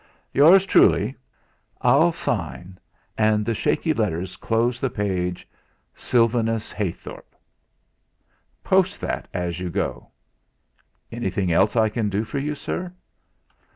"Yours truly...." "I'll sign." And the shaky letters closed the page: "SYLVANUS HEYTHORP." "Post that as you go." "Anything else I can do for you, sir?"